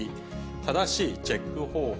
正しいチェック方法。